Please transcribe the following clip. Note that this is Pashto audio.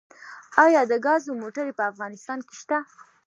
آیا د ګازو موټرې په افغانستان کې شته؟